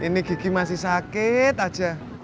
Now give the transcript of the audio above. ini gigi masih sakit aja